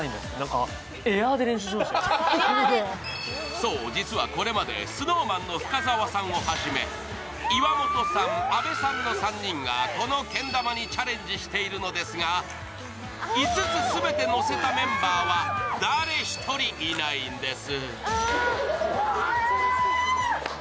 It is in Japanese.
そう、実はこれまで、ＳｎｏｗＭａｎの深澤さんをはじめ岩本さん、阿部さんの３人がこのけん玉にチャレンジしているのですが、５つ全てのせたメンバーは誰一人いないんです。